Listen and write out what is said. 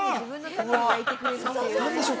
◆何でしょう